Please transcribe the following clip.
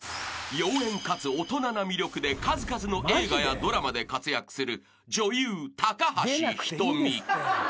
［妖艶かつ大人な魅力で数々の映画やドラマで活躍する女優高橋ひとみ］